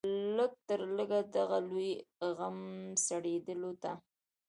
لږ تر لږه د دغه لوی غم سړېدلو ته.